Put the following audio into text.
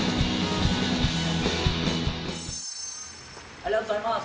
ありがとうございます。